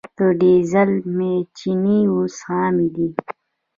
د ډیزل میچنې اوس عامې دي.